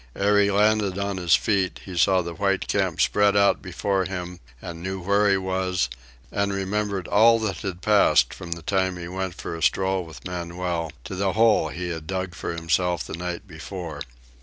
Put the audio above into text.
Ere he landed on his feet, he saw the white camp spread out before him and knew where he was and remembered all that had passed from the time he went for a stroll with Manuel to the hole he had dug for himself the night before.